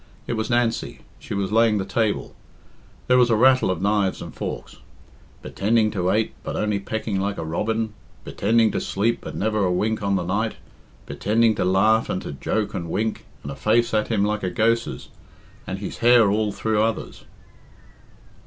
It was Nancy; she was laying the table; there was a rattle of knives and forks. "Bittending to ate, but only pecking like a robin; bittending to sleep, but never a wink on the night; bittending to laugh and to joke and wink, and a face at him like a ghose's, and his hair all through others.